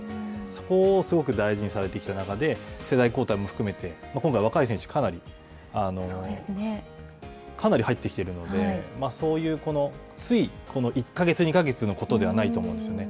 そこをすごく大事にされてきた中で、世代交代も含めて、今回、若い選手がかなり入ってきているので、つい１か月２か月のことではないと思うんですよね。